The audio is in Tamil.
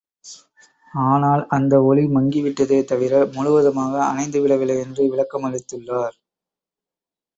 ஆனால், அந்த ஒளி மங்கி விட்டதே தவிர முழுவதுமாக அணைந்து விடவில்லை என்றும் விளக்கமளித்துள்ளார்.